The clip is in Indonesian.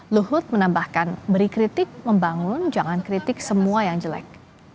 luhut menambahkan beri kritik membangun jangan kritik semua yang jelek